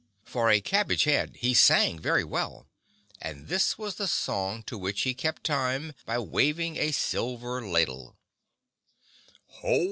For a cabbage head he sang very well and this was the song to which he kept time by waving a silver ladle: "Ho!